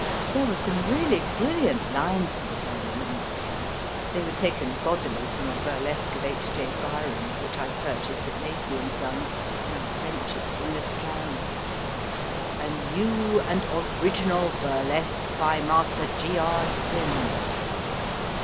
There were some really brilliant lines in it, I remember. They were taken bodily from a burlesque of H. J. Byron s, which I purchased at Lacy & Son s (now French s) in the Strand a new and original burlesque by Master G. R. Sims.